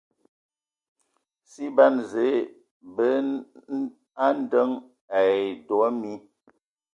Si ban Zǝə bə andəŋ ai dɔ mi.